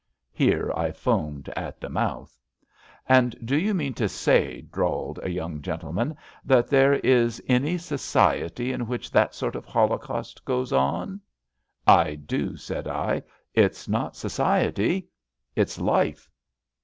'' Here I foamed at the mouth. *^ And do you mean to say/^ drawled a young gentleman, *^ that there is any society in which that sort of holocaust goes on? '''' I do/^ said I. '' It's not society; it's life.''